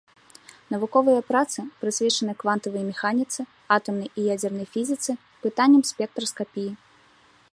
Навуковыя працы прысвечаны квантавай механіцы, атамнай і ядзернай фізіцы, пытанням спектраскапіі.